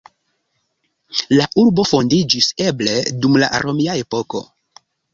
La urbo fondiĝis eble dum la romia epoko.